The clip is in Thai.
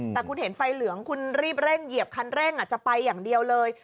แต่คุณเห็นไฟเหลืองคุณรีบเร่งเหยียบคันเร่งจะไปอย่างเดียวเลย